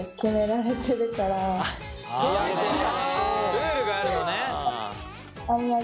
ルールがあるのね。